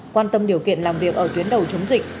quan tâm điều kiện làm việc ở tuyến đầu chống dịch